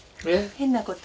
変なこと。